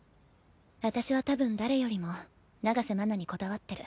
私はたぶん誰よりも長瀬麻奈にこだわってる。